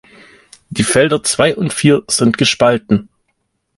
Die Felder zwei und vier sind gespalten.